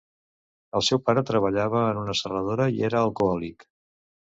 El seu pare treballava en una serradora i era alcohòlic.